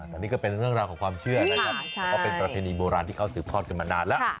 แต่นี่ก็เป็นเรื่องราวของความเชื่อนะครับแล้วก็เป็นประเพณีโบราณที่เขาสืบทอดกันมานานแล้ว